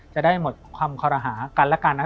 จะได้หมดความคอรหากันและกันนะ